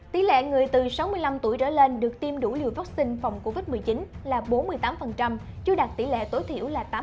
tỷ lệ người từ sáu mươi năm tuổi trở lên được tiêm đủ liệu vắc xin phòng covid một mươi chín là bốn mươi tám chưa đạt tỷ lệ tối thiểu là tám mươi